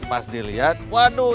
pas dilihat waduh